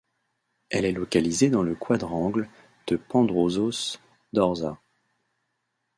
Elle est localisée dans le quadrangle de Pandrosos Dorsa.